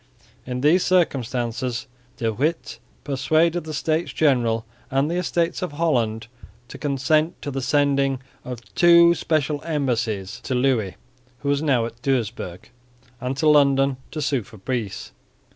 In these circumstances De Witt persuaded the States General and the Estates of Holland to consent to the sending of two special embassies to Louis, who was now at Doesburg, and to London, to sue for peace.